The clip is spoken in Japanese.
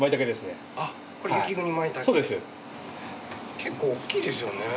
結構大きいですよね。